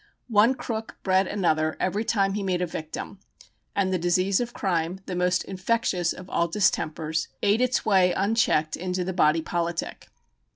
One crook bred another every time he made a victim, and the disease of crime, the most infectious of all distempers, ate its way unchecked into the body politic.